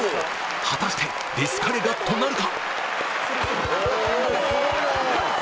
果たしてディスカレガットなるか⁉